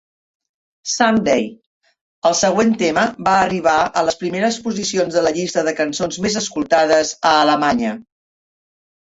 "Someday", el següent tema, va arribar a les primeres posicions de la llista de cançons més escoltades a Alemanya.